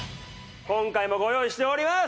今回もご用意しております。